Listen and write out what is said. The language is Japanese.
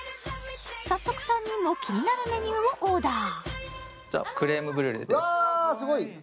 早速３人も気になるメニューをオーダー。